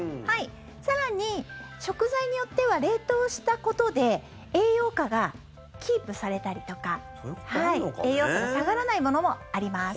更に、食材によっては冷凍したことで栄養価がキープされたりとか栄養素が下がらないものもあります。